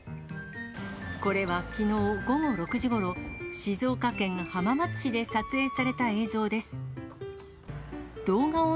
これはきのう午後６時ごろ、静岡県浜松市で撮影された映像です。